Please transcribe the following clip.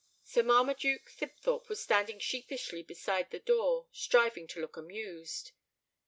Sir Marmaduke Thibthorp was standing sheepishly beside the door, striving to look amused.